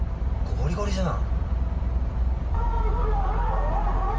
ゴリゴリじゃん。